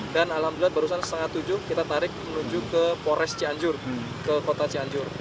alhamdulillah barusan setengah tujuh kita tarik menuju ke pores cianjur ke kota cianjur